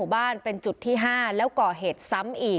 เขาล็อกเองเวลาเขาเข้าไปหลบอยู่ข้างในเนี่ย